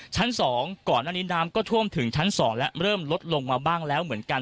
ชั้น๒ก่อนหน้านี้น้ำก็ท่วมถึงชั้น๒และเริ่มลดลงมาบ้างแล้วเหมือนกัน